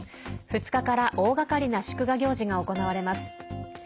２日から大がかりな祝賀行事が行われます。